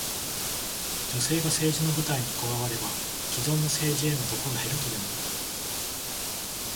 女性が政治の舞台に加われば、既存の政治の毒が減るとでも？